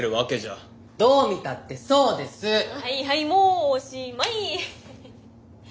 はいはいもうおしまい！